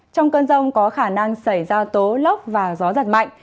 trong cơn rông có khả năng xảy ra tố lốc và gió giật mạnh